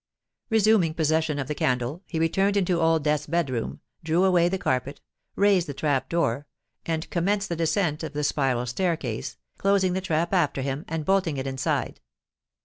Resuming possession of the candle, he returned into Old Death's bed room—drew away the carpet—raised the trap door—and commenced the descent of the spiral staircase, closing the trap after him and bolting it inside.